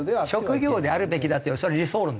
職業であるべきだってそれは理想論ですわ。